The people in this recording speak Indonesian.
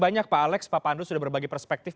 banyak pak alex pak pandu sudah berbagi perspektif